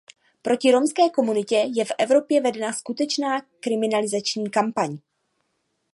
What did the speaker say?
Proti romské komunitě je v Evropě vedena skutečná kriminalizační kampaň.